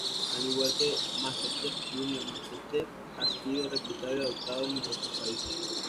Al igual que "MasterChef", "Junior MasterChef" ha sido replicado y adaptado en numerosos países.